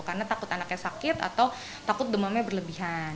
karena takut anaknya sakit atau takut demamnya berlebihan